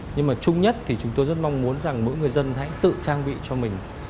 nhưng mà chung nhất thì chúng tôi rất mong muốn rằng mỗi người dân hãy tự trang bị cho mình